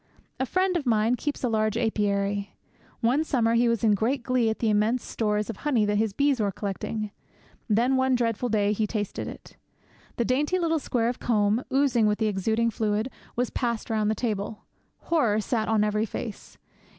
A friend of mine keeps a large apiary. One summer he was in great glee at the immense stores of honey that his bees were collecting. Then, one dreadful day, he tasted it. The dainty little square of comb, oozing with the exuding fluid, was passed round the table. Horror sat upon every face!